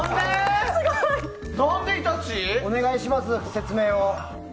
説明を。